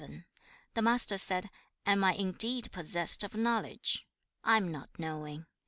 VII. The Master said, 'Am I indeed possessed of knowledge? I am not knowing.